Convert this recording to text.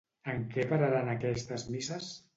En què pararan aquestes misses?